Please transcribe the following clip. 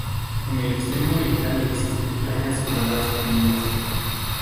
En el extremo oriental, existen playas o bardas tendidas.